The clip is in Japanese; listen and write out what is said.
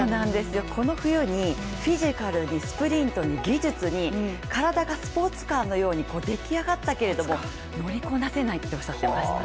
この冬に、フィジカルにスプリントに技術に、体がスポーツカーのように出来上がったけれども乗りこなせないっておっしゃってましたね。